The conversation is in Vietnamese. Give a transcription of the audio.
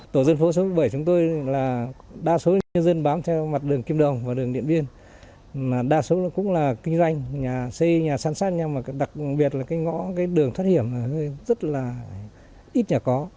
tổ dân phố sáu mươi bảy chúng tôi là đa số nhân dân bám theo mặt đường kim đồng và đường điện biên mà đa số cũng là kinh doanh xây nhà sản sát nhưng mà đặc biệt là cái ngõ cái đường thoát hiểm rất là ít nhà có